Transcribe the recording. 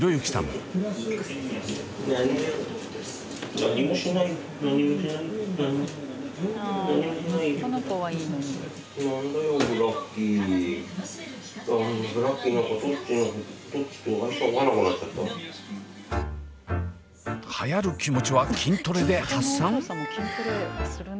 はやる気持ちは筋トレで発散？